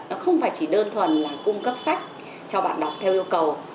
nó không phải chỉ đơn thuần là cung cấp sách cho bạn đọc theo yêu cầu